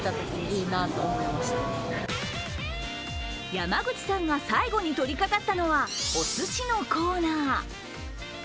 山口さんが最後に取りかかったのはおすしのコーナー。